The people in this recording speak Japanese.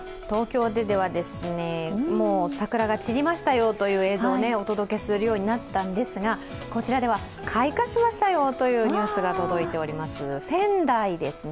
東京では、もう桜が散りましたよという映像をお届けするようになったんですが、こちらでは開花しましたよというニュースが届いております。